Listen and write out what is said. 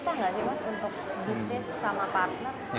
susah nggak sih mas untuk bisnis sama partner